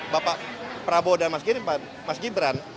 bapak prabowo dan mas gibran